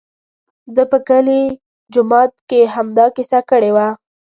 ده په کلي جومات کې همدا کیسه کړې وه.